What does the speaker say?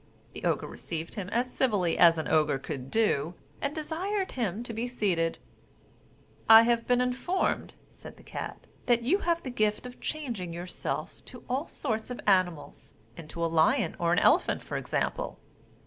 The Ogre received him as civilly as an Ogre could do, and desired him to be seated, "I have been informed," said the cat, "that you have the gift of changing yourself to all sorts of animals; into a lion or an elephant for example."